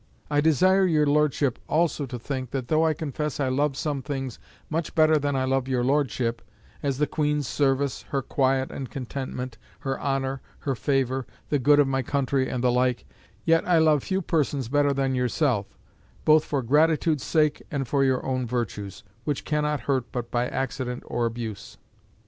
I desire your Lordship also to think that though I confess I love some things much better than I love your Lordship as the Queen's service, her quiet and contentment, her honour, her favour, the good of my country, and the like yet I love few persons better than yourself, both for gratitude's sake and for your own virtues, which cannot hurt but by accident or abuse.